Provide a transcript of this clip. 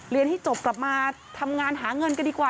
ให้จบกลับมาทำงานหาเงินกันดีกว่า